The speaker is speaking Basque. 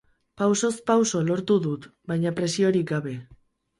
Pausoz pauso lortu dut, baina presiorik gabe.